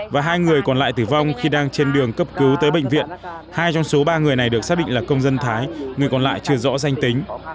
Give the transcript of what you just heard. và hai người còn lại tử vong khi đang trên đường cấp cứu tới bệnh viện hai trong số ba người này được xác định là công dân thái người còn lại chưa rõ danh tính